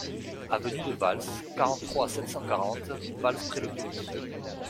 Avenue de Vals, quarante-trois, sept cent cinquante Vals-près-le-Puy